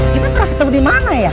kita pernah ketemu dimana ya